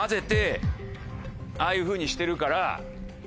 ああいうふうにしてるから。